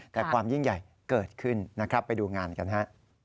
แต่ความยิ่งใหญ่เกิดขึ้นนะครับไปดูงานกันฮะ